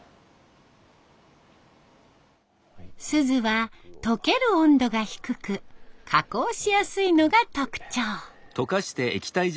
錫は溶ける温度が低く加工しやすいのが特徴。